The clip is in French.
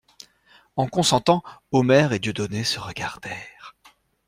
En consentant, Omer et Dieudonné se regardèrent.